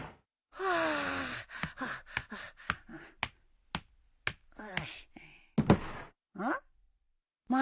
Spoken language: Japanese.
はあ？